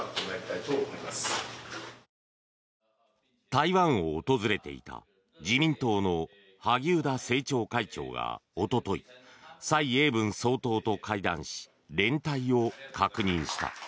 台湾を訪れていた自民党の萩生田政調会長がおととい蔡英文総統と会談し連帯を確認した。